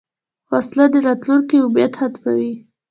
وسله د راتلونکې امید ختموي